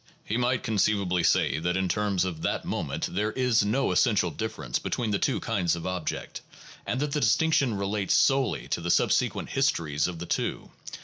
He might conceivably say that in terms of that moment there is no essential difference between the two kinds of object, that the distinction relates solely to the subsequent histories of the two.